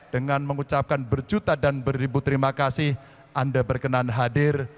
dengan mengucapkan berjuta dan beribu terima kasih anda berkenan hadir